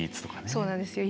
そうなんですよ。